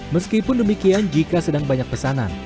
meskipun demikian jika sedang banyak pesanan